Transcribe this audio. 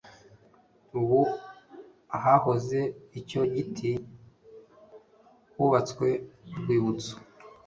Ubu ahahoze icyo giti hubatswe urwibutso.